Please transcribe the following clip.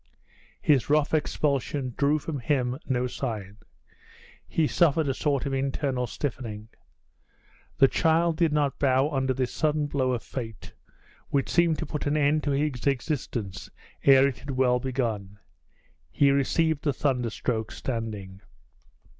His rough expulsion drew from him no sign; he suffered a sort of internal stiffening. The child did not bow under this sudden blow of fate, which seemed to put an end to his existence ere it had well begun; he received the thunderstroke standing.